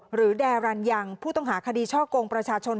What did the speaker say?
แดรันยังผู้ต้องหาคดีช่อกงประชาชน